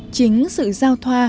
chính sự giao thoa